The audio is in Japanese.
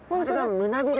胸びれ。